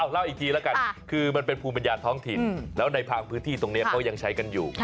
เล่าอีกทีแล้วกันคือมันเป็นภูมิปัญญาท้องถิ่นแล้วในบางพื้นที่ตรงนี้เขายังใช้กันอยู่